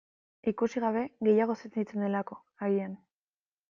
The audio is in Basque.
Ikusi gabe gehiago sentitzen delako, agian.